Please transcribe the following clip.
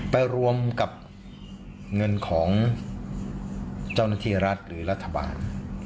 ไปรวมกับเงินของเจ้าหน้าที่รัฐหรือรัฐบาล